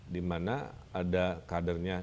dimana ada kadernya